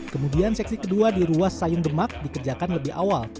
kemudian seksi kedua di ruas sayung demak dikerjakan lebih awal